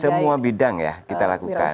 semua bidang ya kita lakukan